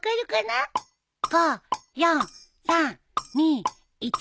５４３２１。